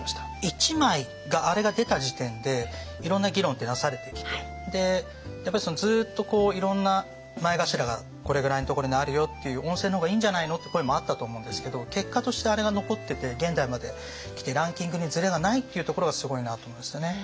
１枚あれが出た時点でいろんな議論ってなされてきてやっぱりずっといろんな前頭がこれぐらいのところにあるよっていう温泉の方がいいんじゃないのって声もあったと思うんですけど結果としてあれが残ってて現代まで来てランキングにずれがないっていうところがすごいなと思いますよね。